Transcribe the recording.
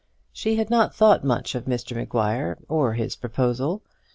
She had not thought much of Mr Maguire or his proposal.